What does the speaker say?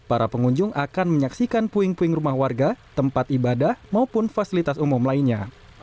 para pengunjung akan menyaksikan puing puing rumah warga tempat ibadah maupun fasilitas umum lainnya